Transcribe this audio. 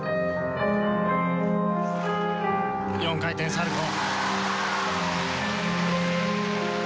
４回転サルコー。